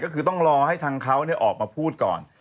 ก็คือต้องรอให้ทางเขาออกมาพูดก่อน